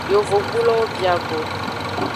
Yovogbulowo bia go.